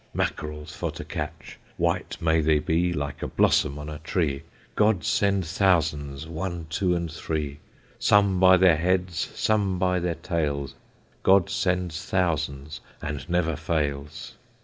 Mackerel for to catch, White may they be, like a blossom on a tree. God send thousands, one, two, and three, Some by their heads, some by their tails, God sends thousands, and never fails.